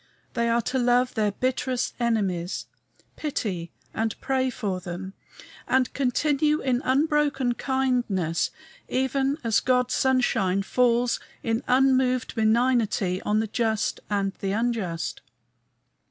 They are to love their bitterest enemies, pity and pray for them, and continue in unbroken kindness, even as God's sunshine falls in unmoved benignity on the just and the unjust!